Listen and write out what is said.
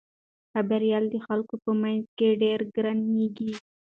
خبریال د خلکو په منځ کې ډېر ګرانیږي.